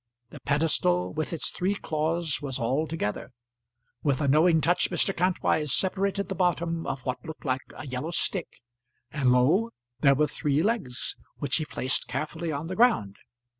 The pedestal with its three claws was all together. With a knowing touch Mr. Kantwise separated the bottom of what looked like a yellow stick, and, lo! there were three legs, which he placed carefully on the ground.